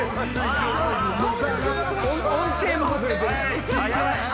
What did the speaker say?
音程も外れてるしな。